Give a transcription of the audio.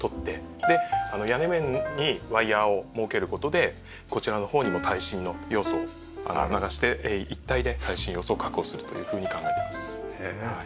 で屋根面にワイヤを設ける事でこちらの方にも耐震の要素を流して一体で耐震要素を確保するというふうに考えてます。